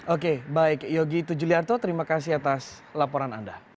oke baik yogi tujuliarto terima kasih atas laporan anda